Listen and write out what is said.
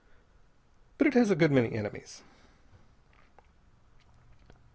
But it has a good many enemies.